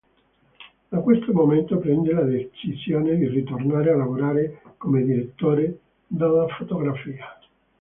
Da questo momento prende la decisione di ritornare a lavorare come direttore della fotografia.